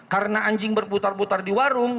karena anjing berputar putar di warung